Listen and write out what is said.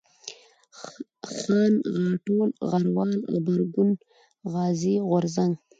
خان ، غاټول ، غروال ، غبرگون ، غازي ، غورځنگ